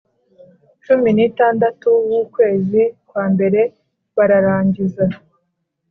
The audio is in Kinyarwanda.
Cumi n itandatu w ukwezi kwa mbere bararangiza